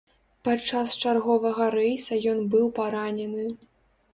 Падчас чарговага рэйса ён быў паранены.